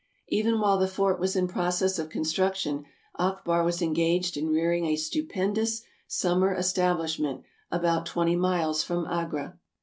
Even while the Fort was in process of construction, Akbar was engaged in rearing a stupendous summer estab lishment about twenty miles from Agra.